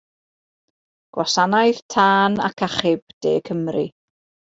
Gwasanaeth Tân ac Achub De Cymru.